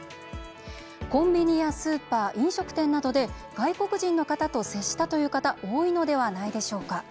コンビニやスーパー飲食店などで外国人の方と接したという方多いのではないでしょうか。